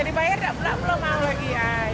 dibayar belum lagi